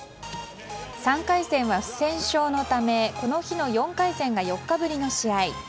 ３回戦は不戦勝のためこの日の４回戦が４日ぶりの試合。